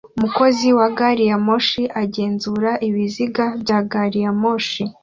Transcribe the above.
Umukozi wa gari ya moshi agenzura ibiziga bya gari ya moshi